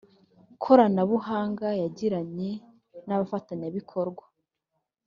koranabuhanga yagiranye n abafatanyabikorwa